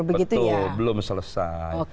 betul belum selesai